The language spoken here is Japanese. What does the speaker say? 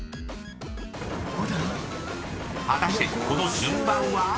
［果たしてこの順番は？］